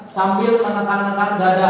sambil menekan nekan dada